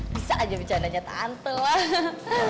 bisa aja bercandanya tante lah